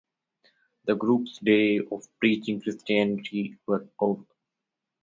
The group's days of preaching Christianity were over.